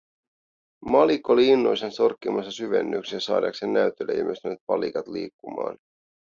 Malik oli innoissaan sorkkimassa syvennyksiä saadakseen näytölle ilmestyneet palikat liikkumaan.